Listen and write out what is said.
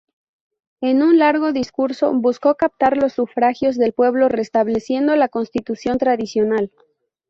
En un largo discurso, buscó captar los sufragios del pueblo restableciendo la constitución tradicional.